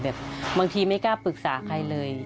บางทีไม่กล้าปรึกษาใครเลย